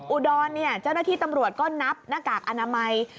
อุดรเจ้าหน้าที่ตำรวจก็นับหน้ากากอนามัย